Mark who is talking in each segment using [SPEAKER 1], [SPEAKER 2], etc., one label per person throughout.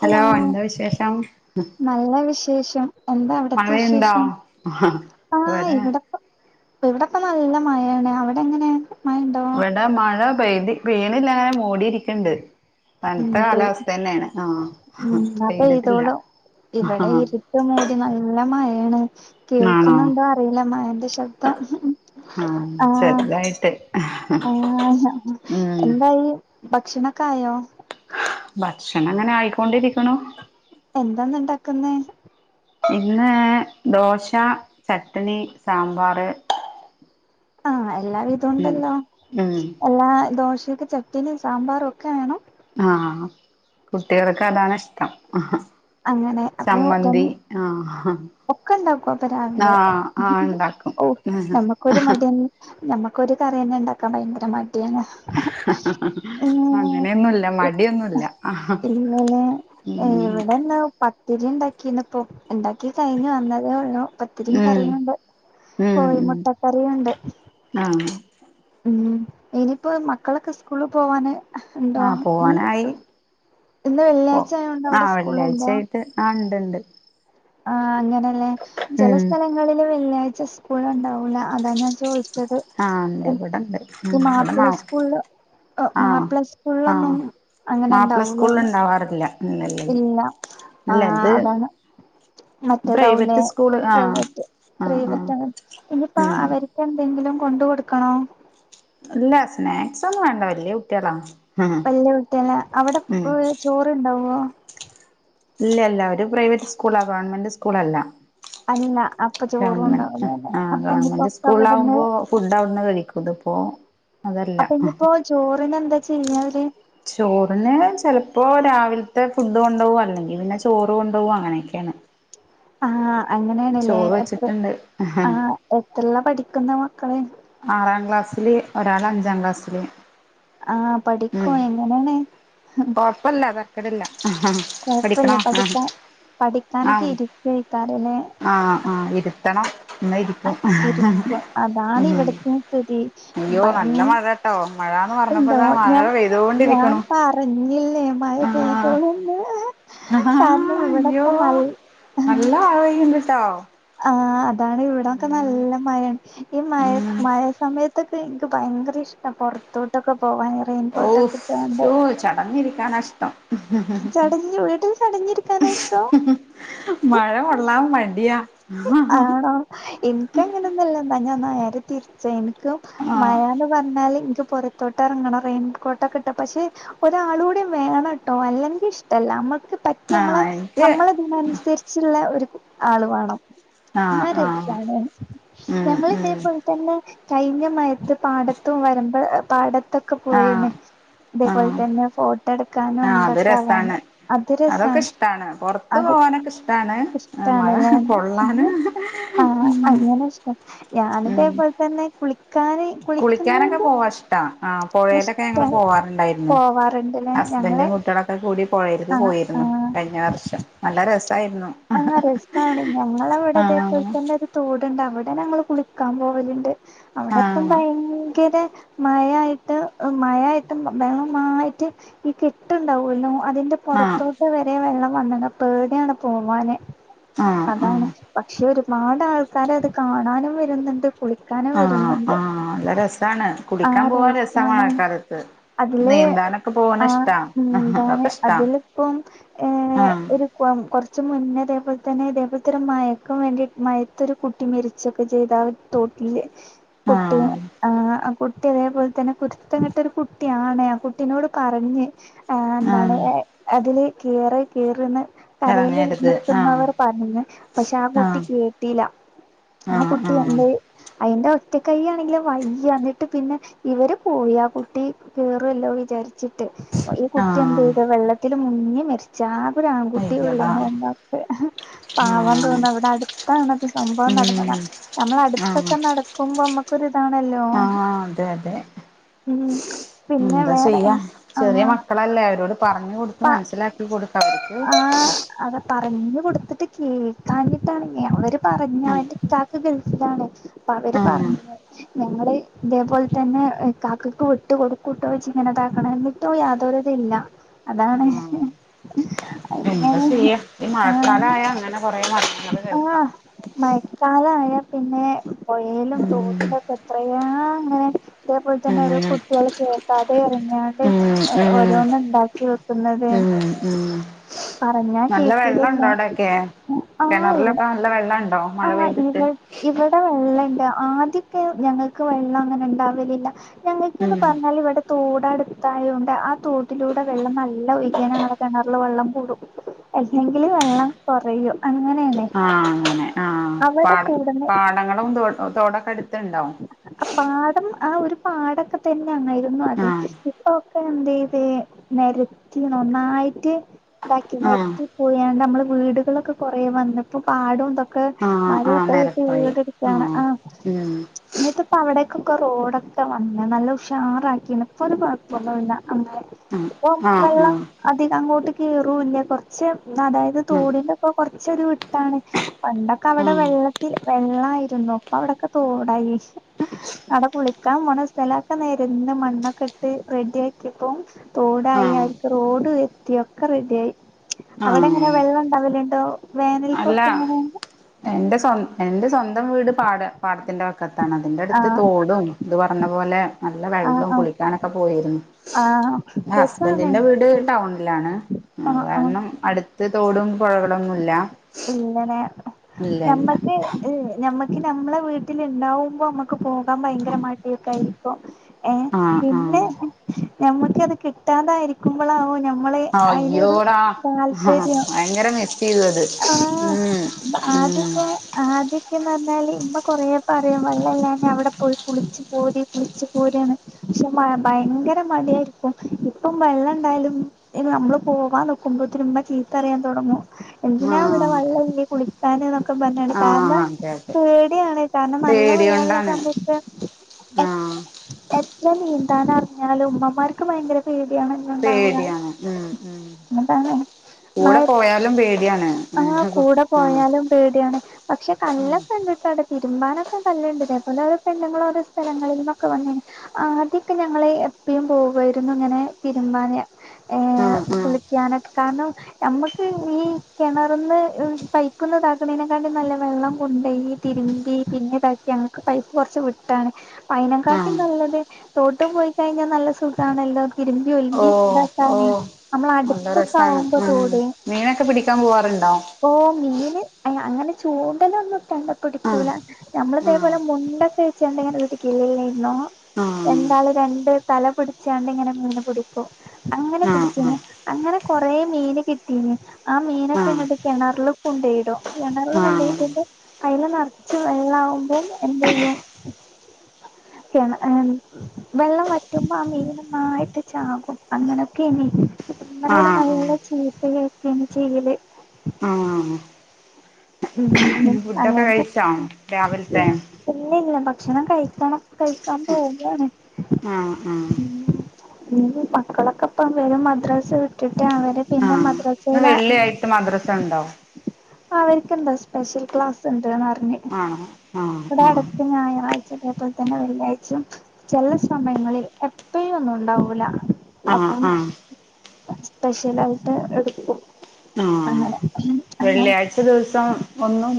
[SPEAKER 1] Hello
[SPEAKER 2] എന്താ വിശേഷം
[SPEAKER 1] നല്ല വിശേഷം എന്താ അവിടത്തെ
[SPEAKER 2] മഴയുണ്ടോ
[SPEAKER 1] വിശേഷം ആ
[SPEAKER 2] ഇവിടെ
[SPEAKER 1] ഇവടെ ഇവടെപ്പൊ നല്ല മഴാണ് അവടെ എങ്ങനെ മഴണ്ടോ
[SPEAKER 2] ഇവടെ മഴ പെയ്തി പെയ്യ്ണില്ലങ്ങനെ മൂടിയിരിക്ക്ണ്ട്
[SPEAKER 1] ഉം
[SPEAKER 2] തൺത്ത
[SPEAKER 1] പെ
[SPEAKER 2] കാലാവസ്ഥന്നേണ് ആഹ്
[SPEAKER 1] ഉം
[SPEAKER 2] ആ
[SPEAKER 1] ന്നാ
[SPEAKER 2] പെയ്തിട്ടില്ല
[SPEAKER 1] പെയ്തോളും
[SPEAKER 2] ആ
[SPEAKER 1] ഇവിടെ ഇരുട്ട് മൂടി നല്ല മഴയാണ്
[SPEAKER 2] ആണോ
[SPEAKER 1] കേൾക്കുന്നുണ്ടോ അറിയില്ല മഴന്റെ ശബ്ദം ആ
[SPEAKER 2] ഏഹ്
[SPEAKER 1] ആഹ് എന്തായി ഭക്ഷണൊക്കായോ
[SPEAKER 2] ഭക്ഷണങ്ങനെ ആയിക്കൊണ്ടിരിക്കുണു
[SPEAKER 1] എന്താന്ന് ഉണ്ടാക്കുന്നെ
[SPEAKER 2] ഇന്ന് ദോശ ചട്ട്ണി സാമ്പാറ്
[SPEAKER 1] ആ എല്ലാ വിധം
[SPEAKER 2] ഉം
[SPEAKER 1] ഉണ്ടല്ലോ
[SPEAKER 2] ഉം
[SPEAKER 1] എല്ലാ ദോശക്ക് ചട്ട്നിം സാമ്പാറും ഒക്കെ വേണം
[SPEAKER 2] ആ കുട്ടികൾക്ക് അതാാണ് ഇഷ്ടം ആ
[SPEAKER 1] അങ്ങനെ അപ്പൊ രണ് ഒക്കെ ഇണ്ടാക്കും അപ്പൊ രാവിലെ
[SPEAKER 2] ആഹ് ആഹ് ഇണ്ടാക്കും
[SPEAKER 1] ഓഹ്
[SPEAKER 2] ആഹ്
[SPEAKER 1] നമുക്കൊരു മടി നമ്മക്കൊരു കറിന്നെ ഉണ്ടാക്കാൻ ഭയങ്കര മടി തേങ്ങ
[SPEAKER 2] അങ്ങനെയൊന്നുല്ല മടിയൊന്നുല്ല
[SPEAKER 1] ഇന്നലെ
[SPEAKER 2] ഉം
[SPEAKER 1] [unintelligible] പത്തിരി ഉണ്ടാക്കീണ്പ്പൊ ഉണ്ടാക്കി കഴിഞ്ഞ് വന്നതേ ഒള്ളു പത്തിരീം
[SPEAKER 2] ഉം
[SPEAKER 1] കറിയുണ്ട്
[SPEAKER 2] ഉം
[SPEAKER 1] കോഴി
[SPEAKER 2] ഉം
[SPEAKER 1] മുട്ടക്കറിയുണ്ട്
[SPEAKER 2] ആഹ്
[SPEAKER 1] ഉം ഇനിയിപ്പോ മക്കളൊക്കെ സ്കൂളിൽ പോവാന് ഉണ്ടോ
[SPEAKER 2] ആഹ് പോവാനായി
[SPEAKER 1] ഇന്ന്
[SPEAKER 2] പ്പൊ
[SPEAKER 1] വെള്ളിയാഴ്ച ആയോണ്ട്
[SPEAKER 2] ആ
[SPEAKER 1] അവിടെ സ്കൂളുണ്ടോ
[SPEAKER 2] വെള്ളിയാഴ്ചായി ട്ട് ആ ഇണ്ട്ണ്ട്
[SPEAKER 1] ആ അങ്ങനെയല്ലേ ചെല
[SPEAKER 2] ഉം
[SPEAKER 1] സ്ഥലങ്ങളില് വെള്ളിയാഴ്ച സ്കൂൾ ഉണ്ടാവൂല അതാ ഞാൻ ചോദി
[SPEAKER 2] ആഹ് ഇണ്ട്
[SPEAKER 1] [unintelligible]
[SPEAKER 2] ഇവിടെണ്ട് ഉം
[SPEAKER 1] ഈ
[SPEAKER 2] ഇവിടെ മാ
[SPEAKER 1] മാപ്പിള സ്കൂൾല് ഹ്
[SPEAKER 2] ആഹ്
[SPEAKER 1] മാപ്പിള സ്കൂളിലൊന്നും
[SPEAKER 2] ആഹ്
[SPEAKER 1] അങ്ങനെ
[SPEAKER 2] മാപ്പിള സ്കൂളിൽ
[SPEAKER 1] ഇണ്ടാവുലല്ലോ
[SPEAKER 2] ഇണ്ടാവാറില്ല ഇല്ലല്ലല്ല
[SPEAKER 1] ഇല്ല ആ
[SPEAKER 2] ഇല്ല ഇത്
[SPEAKER 1] അതാണ് മറ്റേതാവുംലെ
[SPEAKER 2] പ്രൈവറ്റ് സ്കൂള് ആഹ്
[SPEAKER 1] പ്രൈവറ്റ്
[SPEAKER 2] ആഹ് ആഹ്
[SPEAKER 1] പ്രൈവറ്റ് ഇനിപ്പോ
[SPEAKER 2] ഉം
[SPEAKER 1] അവർ എന്തെങ്കിലും കൊണ്ട് കൊടുക്കണോ
[SPEAKER 2] ഇല്ല സ്നാക്സ് ഒന്നും വേണ്ട വല്ല്യ കുട്ടിയാളാ
[SPEAKER 1] വല്ലിയ കുട്ടിയാള അവടെ [unintelligible] ചോറ്ണ്ടാവോ
[SPEAKER 2] ഇല്ല ഇല്ല ഒരു പ്രൈവറ്റ് സ്കൂളാ ഗവൺമെന്റ് സ്കൂൾ അല്ല
[SPEAKER 1] അല്ല അപ്പൊ ചോറും
[SPEAKER 2] ഗവൺമെന്റ്
[SPEAKER 1] ഉണ്ടാവൂല അല്ലെ
[SPEAKER 2] ആ
[SPEAKER 1] അപ്പൊ ഇനിയിപ്പോ
[SPEAKER 2] ഗവൺമെന്റ്
[SPEAKER 1] ഒക്കെ
[SPEAKER 2] സ്കൂൾ
[SPEAKER 1] അവിടുന്ന്
[SPEAKER 2] ലാകുമ്പോ ഫുഡ് അവട്ന്ന് കഴിക്കും ത് പ്പോ
[SPEAKER 1] അപ്പൊ നിയിപ്പോ ചോറിന് എന്താ ചെയ്യാ അവര്
[SPEAKER 2] ചോറിന് ചെൽപ്പോ രാവിൽത്തെ ഫുഡ് കൊണ്ടോകും അല്ലെങ്കി പിന്നെ ചോറ് കൊണ്ടോകും അങ്ങനെയൊക്കെയാണ്
[SPEAKER 1] ആഹ് അങ്ങനേണ്ല്ലേ
[SPEAKER 2] ചോറ്
[SPEAKER 1] എപ്പൊ
[SPEAKER 2] വെച്ചിട്ടുണ്ട്
[SPEAKER 1] ആ എത്രീലാ പഠിക്കുന്ന് മക്കള്
[SPEAKER 2] ആറാം ക്ലാസ്സില് ഒരാൾ അഞ്ചാം ക്ലാസ്സില്
[SPEAKER 1] ആഹ് പഠിക്കോ എങ്ങനേണ്
[SPEAKER 2] കൊപ്പല്ല തര്ക്കട്ല്ല.
[SPEAKER 1] കൊഴപ്പല്ല പഠിക്കാ പഠിക്കാനൊക്കെ ഇരിക്കൊയ്ക്കാരല്ലേ?
[SPEAKER 2] ആഹ് ആഹ് ഇര്ത്തണം. ന്ന ഇരിക്കു
[SPEAKER 1] ഇരിക്ക അതാണ്
[SPEAKER 2] ഉം
[SPEAKER 1] ഇവിടത്തെ സ്ഥിതി
[SPEAKER 2] അയ്യോ
[SPEAKER 1] ഭയ
[SPEAKER 2] നല്ല മഴ. ട്ടോ മഴ ന്ന് പറഞ്ഞപ്പതാ മഴ പെയ്തോണ്ടിരിക്ക്ണു.
[SPEAKER 1] [unintelligible] ഞ്ഞില്ലേ മഴ പെയ്തോളുംന്ന്.
[SPEAKER 2] ആഹ് അയ്യോ നല്ല മഴ പെയ്യ്ണ്ട്ട്ടോ.
[SPEAKER 1] ആഹ് അതാണ് ഇവിടൊക്കെ നല്ല മഴാണ് ഈ മഴയ്
[SPEAKER 2] ഉം
[SPEAKER 1] മഴ സമയ റ്റൊക്കെ ഇൻക്ക് ഭയങ്കര ഇഷ്ടം പൊർതോട്ടൊക്കെ പോവാന.
[SPEAKER 2] ഓ്ഫ് സൂ ചടഞിരിക്കാനാഷ്ടം.
[SPEAKER 1] ചടഞ് വീട്ൽ ചടഞ്ഞിരിക്കാനാഷ്ടം.
[SPEAKER 2] മഴ കൊള്ളാൻ മടിയാ.
[SPEAKER 1] ഇൻക്കങ്ങനൊന്നല്ല ന്ന ഞ നേരെ തിര്ച്ചേനി ഇൻക്ക് മഴാന്ന്. വന്നാല് ഇൻക്ക് പൊറ്ത്തോട്ട് ഇറ്ങ്ങണം റെയിൻകോട്ടക്കെ ഇട്ട് പക്ഷേ ഒരാളൂടി വേണ ട്ടോ അല്ലെങ്കിഷ്ടല്ല അമ്മക്ക് പറ്റിയെ അമ്മളെ
[SPEAKER 2] ആഹ് എനിക്ക്
[SPEAKER 1] നമ്മളതിനന്സരി ച്ള്ളെ ഒരു ആള് വേണം
[SPEAKER 2] ആഹ്
[SPEAKER 1] ന്നാ
[SPEAKER 2] ആഹ്
[SPEAKER 1] രസാണ്
[SPEAKER 2] ഉം ഉം
[SPEAKER 1] ഞങ്ങള്തേപൽ റ്റന്നെ കഴിഞ്ഞ മയത്ത് പാടത്തും വരമ്പ് പാടത്തൊ
[SPEAKER 2] ആഹ്
[SPEAKER 1] ക്കെപോയിന് തേപോൽ
[SPEAKER 2] ആഹ്
[SPEAKER 1] തന്നെ ഫോട്ടട്ക്കാനും.
[SPEAKER 2] ആഹ് അത് രസാണ് അതൊക്കെ ഇഷ്ടാണ് പെറ്ത്ത് പോവാനൊക്കെ ഇഷ്ടാണ്. മഴ
[SPEAKER 1] ഇഷ്ടണ്ല്ലേ
[SPEAKER 2] കൊള്ളാന്
[SPEAKER 1] ആഹ്
[SPEAKER 2] ഉം
[SPEAKER 1] അങ്ങനെ ഇഷ്ടം ഞാനിതേ
[SPEAKER 2] ഉം
[SPEAKER 1] ട്ടന്നെ കുളി.
[SPEAKER 2] കുളിക്കാനൊക്കെ പോവാ ഇഷ്ട ആഹ് പുഴെലൊക്കെ ഞങ്ങള്
[SPEAKER 1] ഇഷ്ടാണ്
[SPEAKER 2] പോവാറുണ്ടായിരുന്നു.
[SPEAKER 1] പോവാറുണ്ട്ല്ലേ ഞങ്ങളെ
[SPEAKER 2] ഹസ്ബൻറും കുട്ടിയളൊക്കെ കൂടി പുഴേൽക്ക്
[SPEAKER 1] ആഹ്
[SPEAKER 2] പോയിരുന്നു
[SPEAKER 1] ആഹ്
[SPEAKER 2] കഴിഞ്ഞ വർഷം നല്ല രസായിരുന്നു.
[SPEAKER 1] ആഹ് രിഷ്ടാണ് ഞങ്ങളവിടെ ദേത്ട്ത
[SPEAKER 2] ആഹ്
[SPEAKER 1] തന്നെ ഒരു തോട്ണ്ട് അവിടെ ഞങ്ങൾ കുളിക്കാൻ പോവല്ണ്ട്. അവ്ടപ്പം
[SPEAKER 2] ആഹ്
[SPEAKER 1] ഭയങ്കരെ. മഴയായിട്ട് മഴയായിട്ട് വെള്ളന്നായിട്ട് ഈ കെട്ട്ണ്ടാവുല്ലോ അതിന്റെ.
[SPEAKER 2] ആഹ്
[SPEAKER 1] പൊർതൂട്ട് വരെ വെള്ളം വന്ന്ണ് പേടിയാണ് പോവാന്‌
[SPEAKER 2] ആഹ്
[SPEAKER 1] അതാണ്.
[SPEAKER 2] ആഹ്
[SPEAKER 1] പക്ഷേ ഒരുപാട് ആൾക്കാരത് കാണാനും വര്ന്ന്ണ്ട് കുളി
[SPEAKER 2] ആഹ് ആഹ് ല്ല രസാണ് കുളിക്കാൻ പോവാൻ രസമാ മഴ കാലത്ത്.
[SPEAKER 1] അതിലെ ആഹ് ന്താണ്
[SPEAKER 2] അതൊക്കെ ഇഷ്ടാ
[SPEAKER 1] അതിലിപ്പം ഏ
[SPEAKER 2] ആഹ്
[SPEAKER 1] ഒരു. കുവം കൊർ ച്ച് മുന്നേ തേപോൽതന്നെ ഇതേപോലത്തെരു മയക്കും വേണ്ടി മയയ്ത്തൊരു കുട്ടി മരിച്ചൊക്കെ ചെയ്തായ് ആഹ് തോട്ടില്. പുട്ടും.
[SPEAKER 2] ആഹ്
[SPEAKER 1] ആഹ് ആഹ് കുട്ടി അതേപോൽ തന്നെ കുരുത്തങ്കട്ടൊരു കുട്ടിയാണ് ആഹ് കുട്ടിനോട് പറ്ഞ്ഞ്. ആഹ് ന്താണ് അതില് കേറ് കേറ്ന്ന്.
[SPEAKER 2] ആഹ് നേര്.
[SPEAKER 1] നിക്ക്ന്നവറ് പറ്ഞ്ഞ് പക്ഷേ ആഹ് കുട്ടി കേട്ടീല്ല ആഹ് കുട്ടി എന്തേ അയ്ന്റെ ഒറ്റ കൈയ്യാണ്ങ്കില് വയ്യ ന്നിട്ട് പിന്നെ. ഇവര് പോയി ആഹ് കുട്ടി കേറുഅല്ലോ വിജാർച്ചട്ട് ഈ കുട്ടി
[SPEAKER 2] ആഹ്
[SPEAKER 1] എന്തേയ്തു വെള്ള ത്തില് മുങ്ങി മരിച്ചാ ആകൊരാങ്കുട്ടിയേ
[SPEAKER 2] അയ്യടാ
[SPEAKER 1] ഉള്ളേനി ഒന്നാതെ. പാവം
[SPEAKER 2] ആഹ്
[SPEAKER 1] തോന്നാ വ്ടട്ത്താണത് സംഭവം
[SPEAKER 2] ഉം
[SPEAKER 1] നടന്ന്നെ
[SPEAKER 2] ആഹ്
[SPEAKER 1] നമ്മ്ളട്ത്തൊക്കെ നട കുമ്പം മ്മക്കൊര്താണല്ലോ.
[SPEAKER 2] ആഹ് അതെ അതെ എന്താ ചെയ്യാ ചെറിയ
[SPEAKER 1] ആഹ്
[SPEAKER 2] മക്കളല്ലേ അവരോട് പറഞ്ഞ് കൊട്ത്ത് മന്സ്സിലാക്കി കൊട്
[SPEAKER 1] ആഹ് അത പറഞ്ഞ് കൊട്ത്തിട്ട് കേക്കാഞ്ഞിട്ടാണ് ഞവര്
[SPEAKER 2] ആഹ്
[SPEAKER 1] പറഞ്ഞായ്ട്ട്. കാക്ക് ഗൾഫിലാണ് പ്പവര്
[SPEAKER 2] ആഹ്
[SPEAKER 1] പറഞ്ഞ്. ഞങ്ങള് ഇതേപോൽതന്നെ ഇക്കാകക്ക് വിട്ട് കൊട്ക്കൂട്ടോ ജ് ങ്ങനതാക്കണന്ന്. ട്ടു യാതൊരിതില്ല അതാണ്.
[SPEAKER 2] ആഹ്
[SPEAKER 1] [inaudible]
[SPEAKER 2] എന്താ ചെയ്യാ ഈ
[SPEAKER 1] ആഹ്
[SPEAKER 2] മഴക്കാലായാ ങ്ങനെ കൊറെ മരണങ്ങള് കേൾക്ക.
[SPEAKER 1] മഴക്കാലയാ പിന്നെ പൊയേലും
[SPEAKER 2] ഉം
[SPEAKER 1] തോട്ട്ലൊക്കെത്രയാ അങ്ങനെ. ഇതേപോൽ തന്നെ ഓരോ
[SPEAKER 2] ഉം
[SPEAKER 1] കുട്ട്യോള് കേൾക്കാതെ ഇറങ്ങിയാണ്ട്
[SPEAKER 2] ഉം
[SPEAKER 1] ഓരോന്ന്ണ്ടാ കേൾക്കുന്നത്.
[SPEAKER 2] ഉം ഉം ഉം നല്ല വെള്ളണ്ടോ
[SPEAKER 1] കേക്കൂലല്ലോ
[SPEAKER 2] അവിടൊക്കെ? കെണറിലൊക്കെ നല്ല വെള്ളണ്ടോ? മഴ പെയ്തിട്ട്.
[SPEAKER 1] [unintelligible] ഇവടെ വെള്ളണ്ട് ആദ്യൊക്കെ ഞങ്ങക്ക് വെള്ളങ്ങനെ ഇണ്ടാവലില്ല. ഞങ്ങക്ക്ന്ന്
[SPEAKER 2] ഉം
[SPEAKER 1] പറഞ്ഞാല് ഇവടെ തോടട്ത്തായോണ്ട് ആഹ് തോട്ടിലൂടെ വെള്ളം നല്ല ഒയ്കി ഞങ്ങളെ കെണർല് വെള്ളം കൂടും അല്ലെങ്കില് വെള്ളം കൊറയും അങ്ങനേണ്.
[SPEAKER 2] ആഹ് അങ്ങനെ ആഹ് പാട
[SPEAKER 1] കൂടുന്നെ
[SPEAKER 2] പാടങ്ങളും തോടൊക്കെ അട്ത്ത്ണ്ടോ?
[SPEAKER 1] പാടം ആഹ് ഒരു പാടൊക്കെതന്നെ ആയിരുന്നു അതെ
[SPEAKER 2] ആഹ്
[SPEAKER 1] പ്പൊ ഒക്കെ എന്തെയ്ത് നെരത്തി നന്നായിട്ട് ഇതാക്കി
[SPEAKER 2] ആഹ്
[SPEAKER 1] നെര്ത്തി പൊയേണ്ടമ്മളെ വീടുകളൊക്കെ കൊറേ വന്നപ്പൊ കാടും തൊക്കെ
[SPEAKER 2] ആഹ് ആഹ്
[SPEAKER 1] മരൊക്കെ വെട്ടി
[SPEAKER 2] നേരപ്പായി
[SPEAKER 1] വീട്‌ ആണ് ആഹ്
[SPEAKER 2] ഉം
[SPEAKER 1] ഇന്നിട്ട്പ്പ അവിടെക്കൊക്കെ റോഡൊക്കെ വന്ന് നല്ല ഉഷാറാക്കിണ് ഇപ്പൊരു കൊഴപ്പൊന്നുല്ല അങ്ങനെ
[SPEAKER 2] ആഹ്
[SPEAKER 1] [unintelligible]
[SPEAKER 2] ആഹ്
[SPEAKER 1] വെള്ളം
[SPEAKER 2] ആഹ്
[SPEAKER 1] അട് ധികങ്ങോട്ട് കേറൂല്ല്യ കൊർച്ച് അതായത് തോടിൻ്റൊക്കെ കെർച്ചൊരു വിട്ടാണ് പണ്ടൊക്കവടെ
[SPEAKER 2] ആഹ്
[SPEAKER 1] വെള്ളത്തിൽ വെള്ളായിരുന്നു ഇപ്പവിടൊക്കെ തോടായി അവിടെ കുളിക്കൻ പോണ സ്ഥലൊക്കെ നെരന്ന് മണ്ണൊക്കെ ഇട്ട് റെഡി ആക്കിയപ്പോം തോടായി
[SPEAKER 2] ആഹ്
[SPEAKER 1] അര്ക്ക് റോഡ് വെര് [unintelligible] റെഡി ആയി അവിടെങ്ങനെ
[SPEAKER 2] ആഹ്
[SPEAKER 1] വെള്ളണ്ടാവല്ണ്ടോ വേനൽക്കൊക്കെ എങ്ങനേ
[SPEAKER 2] എൻ്റെ സ്വൻ എന്റെ സ്വന്തം വീട് പാട പാടത്തിന്റെ വക്കത്താണ് അതിന്റെ അടുത്ത്
[SPEAKER 1] ആഹ്
[SPEAKER 2] തോടും ഇത് പറഞ്ഞ പോലെ നല്ല
[SPEAKER 1] ആഹ്
[SPEAKER 2] വെള്ളും
[SPEAKER 1] ആഹ്
[SPEAKER 2] കുളിക്കാനൊക്കെ പോയിരുന്നു
[SPEAKER 1] ആഹ്
[SPEAKER 2] ആഹ്
[SPEAKER 1] രസാണ്
[SPEAKER 2] ഹസ്ബൻഡിന്റെ വീട് ടൗണിലാണ് അത്
[SPEAKER 1] ആഹ് ആഹ്
[SPEAKER 2] കാരണം അട് ത്ത് തോടും പൊഴകളൊന്നുല്ല
[SPEAKER 1] ഇല്ലന്നേ ഞമ്മക്ക് ഹ് ഞമ്മക്ക് ഞമ്മളെ വീട്ടില്ണ്ടാവുമ്പോ മ്മക്ക് ക്ക് പോകാം ഭയങ്കര മടിയൊക്കെ ആയിരിക്കും ഏഹ്
[SPEAKER 2] ആഹ് ആഹ്
[SPEAKER 1] പിന്നെ ഞമ്മക്ക് അത് കിട്ടാതായിരിക്കുമ്പളാവു ഞമ്മള് അയിനോട് താല്പര്യം
[SPEAKER 2] ങ്ങനെ മിസ്സ്‌ ചെയ്യും അത്
[SPEAKER 1] ആഹ്
[SPEAKER 2] ഉം ഉം
[SPEAKER 1] ആദ്യൊക്കെ ആദ്യൊക്കെന്ന് പറഞ്ഞാല് ഇമ്മ കൊറേ പറയും വെള്ളല്ലാന്ന് അവിടെ പോയി കുളിച്ച് പോരിം കുളിച്ച് പോരീന്ന് പക്ഷെ മ ഭയങ്കര മടിയായിരിക്കും ഇപ്പം വെള്ളണ്ടായാലും ഇത് നമ്മള് പോവാൻ നിക്കുമ്പോത്തിന് ഇമ്മ ചീത്ത പറയാൻ തൊടങ്ങും എന്തിനാ ഇവിടെ
[SPEAKER 2] ആഹ്
[SPEAKER 1] വെള്ളല്ല്യേ കുളിച്ചാന് എന്നൊക്ക പറഞ്ഞ്കാണ്ട്
[SPEAKER 2] ആഹ്
[SPEAKER 1] കാരണം
[SPEAKER 2] അതെ അതെ
[SPEAKER 1] പേടിയാണ് കാരണം നല്ല വെള്ളള്ള
[SPEAKER 2] പേടികൊണ്ടാണ്
[SPEAKER 1] സമയത്ത് എ
[SPEAKER 2] ആഹ്
[SPEAKER 1] എത്ര നീന്താനർഞ്ഞാലും ഉമ്മമാര്ക്ക് ഭയങ്കര ഫതി മന്ത
[SPEAKER 2] പേടിയാണ് ഉം ഉം
[SPEAKER 1] എന്ത മ [unintelligible]
[SPEAKER 2] ലും പേടിയാണ്
[SPEAKER 1] ആഹ് കൂടെ പോയാലും പേടിയാണ് പക്ഷെ കല്ലൊക്കണ്ട് ടെ തിരുമ്പാനൊക്കെ കല്ല്ണ്ട് ഇതേപോലെ ഓരോ പെണ്ണുങ്ങളോരോ സ്ഥലങ്ങളിൽ നിന്നൊക്കെ വന്നീന്ന് ആദ്യൊക്കെ ഞങ്ങള് എപ്പളും പോവു ആയിരുന്നു ഇങ്ങനെ തിരുമ്പാന് ഏഹ്
[SPEAKER 2] ആഹ്
[SPEAKER 1] കുളിക്കാനൊക് കാരണം ഞമ്മക്ക് ഈ കെണറ്ന്ന് പൈപ്പ്ന്ന് താക്ക്ണേനിക്കാണ്ടി നല്ല വെള്ളം കൊണ്ടേയി തിരുമ്പി പിന്നെതാക്കിയ അ ക്ക് പൈപ്പ് കൊർച്ച് വിട്ടാണ് അയ്നക്കാട്ടി
[SPEAKER 2] ആഹ്
[SPEAKER 1] നല്ലത് തോട്ട്പ്പോയിക്കയിഞ്ഞാ നല്ല സുഖാണല്ലോ തിരിമ്പി ഒൽമ്പി
[SPEAKER 2] ഓഹ്
[SPEAKER 1] ഇതാക്കാന്
[SPEAKER 2] ഓഹ്
[SPEAKER 1] അമ്മള
[SPEAKER 2] നല്ല
[SPEAKER 1] അട്ത്തൊക്ക
[SPEAKER 2] രസാണ്
[SPEAKER 1] അവുമ്പോ
[SPEAKER 2] ഉം
[SPEAKER 1] തോട്
[SPEAKER 2] മീനൊക്കെ പിടിക്കാം പോവാറ്ണ്ടോ
[SPEAKER 1] ഓ മീന് അയ് അങ്ങനെ ചൂണ്ടലൊന്ന്ട്ടാണ്ട് പിടിക്കൂല
[SPEAKER 2] ആഹ് ആഹ്
[SPEAKER 1] നമ്മള്തേപോലെ മുണ്ടൊക്കെ വെച്ച്കാണ്ട് ഇങ്ങനെ പിടിക്കില്ലേയ്ര്ന്നോ
[SPEAKER 2] ആഹ്
[SPEAKER 1] രണ്ടാള് രണ്ട് തല പിടിച്ചോണ്ടിങ്ങനെ മീന് പിടി ക്കും അങ്ങനെ
[SPEAKER 2] ആഹ്
[SPEAKER 1] പിടിച്ചേന്ന് അങ്ങനെ കൊറെ മീന് കിട്ടീനി ആ മീനൊക്കെ
[SPEAKER 2] ആഹ്
[SPEAKER 1] അങ്ങേട്ട് കിണറില് കൊണ്ടൊയിടും കിണറിൽ
[SPEAKER 2] ആഹ്
[SPEAKER 1] കൊണ്ടൊയിടുമ്പം. അതില് നെറച്ച് വെള്ള അവുമ്പോം എന്ത് ചെയ്യും. കെണ ഏം വെള്ളം വറ്റുമ്പോ ആഹ് മീൻ നന്നായിട്ട് ചാകു അങ്ങനെയൊക്കെയനി കുടും ഉമ്മനോട്
[SPEAKER 2] ആഹ് ആഹ്
[SPEAKER 1] നല്ല ചീത്ത കേക്കലാണ് ചെയ്യല്.
[SPEAKER 2] ആഹ്
[SPEAKER 1] ഉം ഉം
[SPEAKER 2] ഫുഡൊക്കെ കഴിച്ചോ
[SPEAKER 1] അങ്ങനത്തെ
[SPEAKER 2] രാവിലെത്തെ?
[SPEAKER 1] ഇല്ല ഇല്ല ഭക്ഷണം കഴിക്കണം കഴിക്കാൻ പോവാണ്.
[SPEAKER 2] ആഹ് ആഹ്
[SPEAKER 1] [unintelligible] മക്കളൊക്ക ഇപ്പം വരും മദ്രസ വിട്ടിട്ട് അവര് പിന്നെ
[SPEAKER 2] ആഹ് ഇന്ന് വെള്ളിയായിട്ട് മദ്രസ ഉണ്ടോ
[SPEAKER 1] അവെരെക്കെന്തോ സ്പെഷ്യൽ ക്ലാസ്സ് എന്തോന്നറിഞ്ഞ്
[SPEAKER 2] ആണോ ആഹ്
[SPEAKER 1] ഇവെടെ
[SPEAKER 2] ആഹ്
[SPEAKER 1] അടുത്ത് ഞായറാഴ് ചെലപ്പോ തന്നെ വെള്ളിയാഴ്ച്ച ചെല സമയങ്ങളിൽ എപ്പയുമൊന്ന് ഉണ്ടാവൂല
[SPEAKER 2] ആഹ്
[SPEAKER 1] അപ്പം
[SPEAKER 2] ആഹ്
[SPEAKER 1] സ്പെഷ്യലായിട്ട് എടുക്കും അങ്ങനെ ഒന്നും അല്ല
[SPEAKER 2] ച്ച് ദിവസം ഒന്നും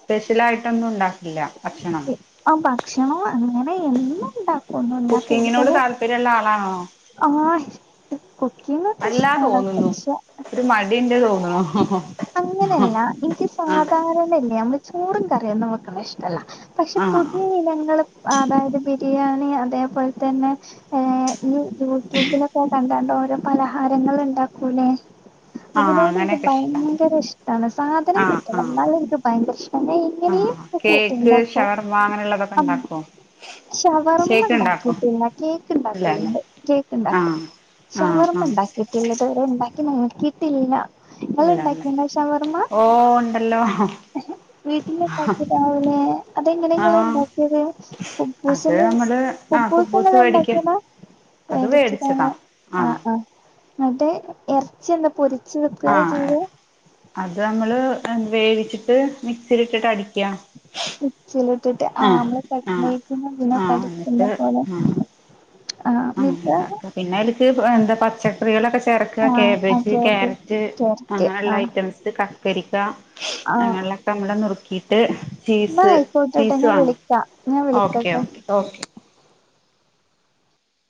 [SPEAKER 2] സ്പെഷ്യലായിട്ടൊന്നും ഉണ്ടാക്കില്ലാ ഭക്ഷണം
[SPEAKER 1] ആ ഭക്ഷണം അങ്ങനെ എന്നും ഉണ്ടാ
[SPEAKER 2] കുക്കിങ്ങിനോട് താല്പര്യവൊള്ള ആളാണോ
[SPEAKER 1] ആഹ് കുക്കിങ്ങൊക്കെ
[SPEAKER 2] അല്ലാ
[SPEAKER 1] ഇഷ്ടവാണ്
[SPEAKER 2] തോന്നുന്നു
[SPEAKER 1] പക്ഷെ
[SPEAKER 2] ഒരു മടിണ്ട് തോന്നുണു
[SPEAKER 1] അങ്ങനെയല്ല എനിക്ക്
[SPEAKER 2] ആഹ്
[SPEAKER 1] സാധാരണയല്ലേ മ്മള് ചോറും കറിയൊന്നും വെക്കണയിഷ്ടല്ല പക്ഷെ
[SPEAKER 2] ആഹ്
[SPEAKER 1] പുതിയിനങ്ങള് അതായത് ബിരിയാണി അതേപോൽ തന്നെ ഏഹ് ഈ യൂട്യൂബിലൊക്കെ കണ്ടാണ്ട് ഓരോ പലഹാരങ്ങള് ഉണ്ടാക്കൂലേ
[SPEAKER 2] ആഹ്
[SPEAKER 1] അതിനോടെനിക്ക്
[SPEAKER 2] അങ്ങനെയൊക്കെ ഇഷ്ടാ
[SPEAKER 1] ഭയങ്കര ഇഷ്ടാണ്. സാധനം
[SPEAKER 2] ആഹ്
[SPEAKER 1] കിട്ടണം
[SPEAKER 2] ആഹ്
[SPEAKER 1] എന്നാല് എനിക്ക് ഭയങ്കര ഇഷ് എന്നെ
[SPEAKER 2] ആഹ്
[SPEAKER 1] [unintelligible]
[SPEAKER 2] കേക്ക്
[SPEAKER 1] കൂട്ടീലപ്പോ
[SPEAKER 2] ഷവർമ്മ അങ്ങനെയുള്ളതൊക്കെ ഉണ്ടാക്കോ
[SPEAKER 1] ഷവർമ്മ
[SPEAKER 2] കേക്ക് ഉണ്ടാക്കോ
[SPEAKER 1] ഉണ്ടാക്കിയിട്ടില്ല കേക്ക്
[SPEAKER 2] ഇല്ലല്ലേ
[SPEAKER 1] ഉണ്ടാക്കലുണ്ട്. കേക്ക് ഉണ്ടാക്കും
[SPEAKER 2] ആഹ് ആഹ്
[SPEAKER 1] ഷവർമ്മ
[SPEAKER 2] ആഹ്
[SPEAKER 1] ഉണ്ടാക്കിട്ടുള്ളത് ഇതുവെരെയുണ്ടാക്കി നോക്കിട്ടില്ല.
[SPEAKER 2] ഇല്ലല്ലേ
[SPEAKER 1] നിങ്ങളൊണ്ടാക്കിയൊണ്ടോ ഷവർമ്മ
[SPEAKER 2] ഓ ഉണ്ടല്ലോ
[SPEAKER 1] വീട്ടിലൊണ്ടാക്കി രാവിലെ അതെങ്ങനെ നിങ്ങള്
[SPEAKER 2] ആഹ്
[SPEAKER 1] ഉണ്ടാക്കിയത്
[SPEAKER 2] അത്
[SPEAKER 1] പൂസല്
[SPEAKER 2] നമ്മള് ആ
[SPEAKER 1] കുബ്ബൂസ്
[SPEAKER 2] കുബൂസ് മേടിക്ക
[SPEAKER 1] നിങ്ങളൊണ്ടാക്കിയതാ
[SPEAKER 2] അത് മേടിച്ചതാ
[SPEAKER 1] മേടിച്ചതാണ്
[SPEAKER 2] ആ
[SPEAKER 1] ആഹ് ആഹ് മറ്റേ എറച്ചി ഒന്ന്‌ പൊരി
[SPEAKER 2] ആഹ് അത് നമ്മള് വേവിച്ചിട്ട് മിക്സിലിട്ടിട്ട് അടിക്കാം
[SPEAKER 1] മിക്സിലിട്ടിട്ട് ആ നമ്മള്
[SPEAKER 2] ആ
[SPEAKER 1] കട്‌ലൈറ്റിന്
[SPEAKER 2] ആ
[SPEAKER 1] ഇങ്ങെനെക്കടിക്കുന്നപോലെ
[SPEAKER 2] ആഹ് അതിന്റാത്ത് പിന്നെ അതിലിച്ചി എന്താ പച്ചക്കറികളൊക്കെ ചേ ചേർക്കുക.
[SPEAKER 1] ആഹ്
[SPEAKER 2] കാബേജ്
[SPEAKER 1] അതെ അതെ
[SPEAKER 2] ക്യാരറ്റ്
[SPEAKER 1] ക്യാരറ്റ്
[SPEAKER 2] അങ്ങനെയൊള്ള
[SPEAKER 1] ആഹ്
[SPEAKER 2] ഐറ്റംസ് കക്കരിക്ക
[SPEAKER 1] ആഹ്
[SPEAKER 2] അങ്ങനെയൊള്ള ഇപ്പമ്മള് നുറുക്കിട്ട്
[SPEAKER 1] ന്നാ
[SPEAKER 2] ചീസ്
[SPEAKER 1] ആയിക്കോട്ടെട്ടോ
[SPEAKER 2] ചീസ്
[SPEAKER 1] ഞാൻ
[SPEAKER 2] വേണം
[SPEAKER 1] വിളിക്കാ ഞാൻ
[SPEAKER 2] ഓക്കെ
[SPEAKER 1] വിളിക്കാട്ടോ
[SPEAKER 2] ഓക്കേ ഓക്കെ